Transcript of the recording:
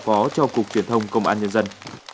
công đoàn cục truyền thông công an nhân dân